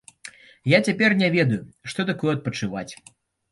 Я цяпер не ведаю, што такое адпачываць.